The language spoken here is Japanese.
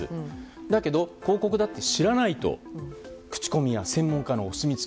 だけど、広告だって知らないと口コミや専門家のお墨付き。